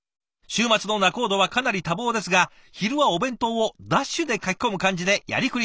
週末の仲人はかなり多忙ですが昼はお弁当をダッシュでかきこむ感じでやりくりしています。